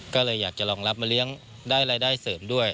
ก็เลยอยากจะรองรับมาเลี้ยงได้รายได้เสริมด้วย